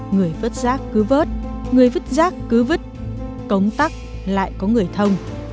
người vứt rác cứ vớt người vứt rác cứ vứt cống tắc lại có người thông